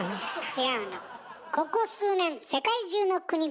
違うの。